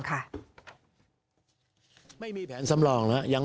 คุณสิริกัญญาบอกว่า๖๔เสียง